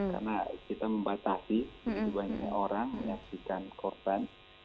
karena kita membatasi banyak orang menyaksikan korban